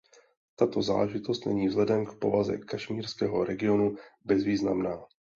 Tato záležitost není vzhledem k povaze kašmírského regionu bezvýznamná.